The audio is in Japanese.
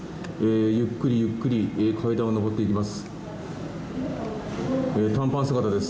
ゆっくり、ゆっくり階段を上っていきます。